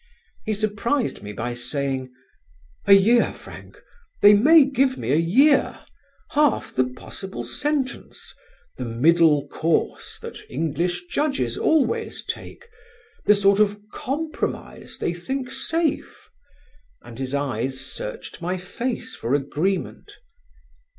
He surprised me by saying: "A year, Frank, they may give me a year? half the possible sentence: the middle course, that English Judges always take: the sort of compromise they think safe?" and his eyes searched my face for agreement.